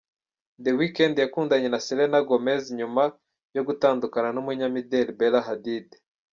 The weekend yakundanye na selena Gomez nyuma yo gutandukana n’umunyamideli Bella Hadid .